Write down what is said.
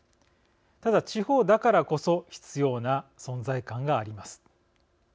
ただ、地方だからこそ必要な存在感があります。